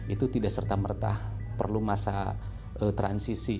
itu tidak serta merta perlu masa transisi